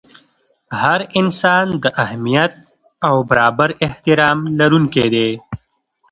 هر انسان د اهمیت او برابر احترام لرونکی دی.